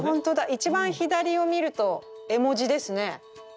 一番左を見ると絵文字ですね。